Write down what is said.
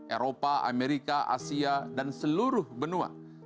eropa amerika asia dan seluruh benua